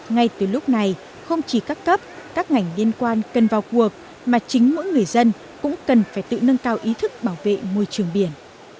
ngay từ lúc này không chỉ các cấp các ngành liên quan cần vào cuộc mà chính mỗi người dân cũng cần phải tự nâng cao ý thức bảo vệ môi trường biển